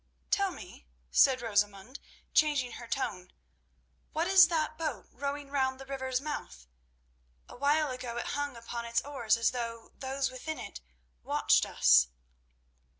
"Tell me," said Rosamund, changing her tone, "what is that boat rowing round the river's mouth? A while ago it hung upon its oars as though those within it watched us."